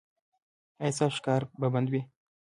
ایا ستاسو ښکار به بند وي؟